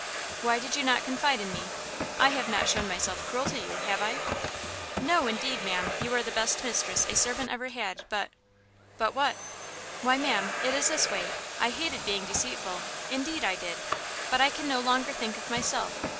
"Why did you not confide in me? I have not shown myself cruel to you, have I?" "No, indeed, ma'am. You are the best mistress a servant ever had, but " "But what?" "Why, ma'am, it is this way.... I hated being deceitful indeed I did. But I can no longer think of myself.